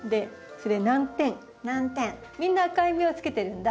みんな赤い実をつけてるんだ。